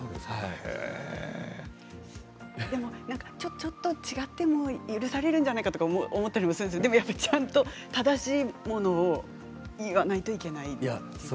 ちょっと違っても許されるんじゃないかとか思ったりもするんですけどやっぱりちゃんと正しいものを言わないといけないんですね。